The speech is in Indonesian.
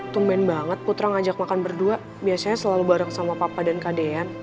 tumban banget putra ngajak makan berdua biasanya selalu bareng sama papa dan kak dean